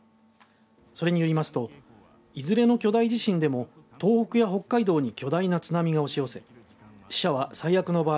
それによりますといずれの巨大地震でも東北や北海道に巨大な津波が押し寄せ死者は最悪の場合